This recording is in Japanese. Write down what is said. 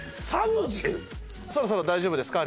そろそろ大丈夫ですか？